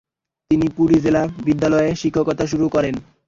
তিনি পুরী জেলা বিদ্যালয়ে শিক্ষকতা শুরু করেন।